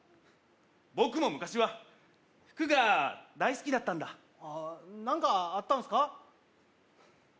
僕も昔は服が大好きだったんだああ何かあったんすか？